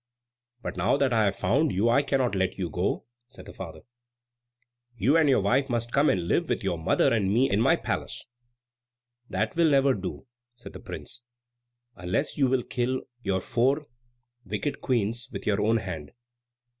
"But now that I have found you, I cannot let you go," said his father. "You and your wife must come and live with your mother and me in my palace." "That we will never do," said the prince, "unless you will kill your four wicked Queens with your own hand.